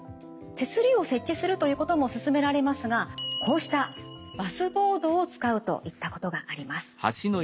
手すりを設置するということも勧められますがこうしたバスボードを使うといったことがあります。